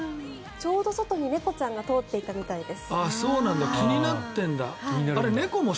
ちょうど外に猫ちゃんが通っていたみたいです。